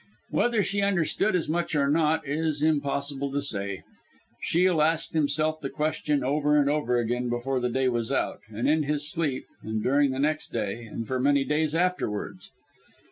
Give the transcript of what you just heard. Whether she understood as much or not, is impossible to say. Shiel asked himself the question over and over again before the day was out, and in his sleep, and during the next day, and for many days afterwards.